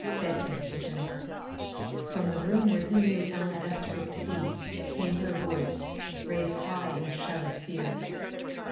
Bentley stiffened. From the room where he knew Ellen Estabrook to be came her voice, raised high in a shout of fear.